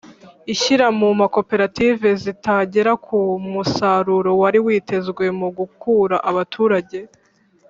Ishyira mu makoperative zitagera ku musaruro wari witezwe mu gukura abaturage